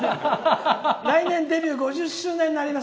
来年デビュー５０周年になります。